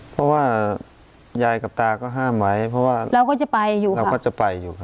เพราะว่ายายกับตาก็ห้ามไว้เพราะว่าเราก็จะไปอยู่เราก็จะไปอยู่ครับ